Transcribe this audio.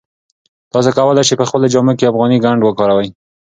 تاسي کولای شئ په خپلو جامو کې افغاني ګنډ وکاروئ.